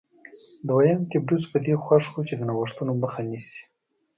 دویم تبریوس په دې خوښ و چې د نوښتونو مخه نیسي